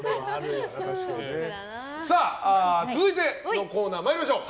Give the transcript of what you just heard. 続いてのコーナー参りましょう。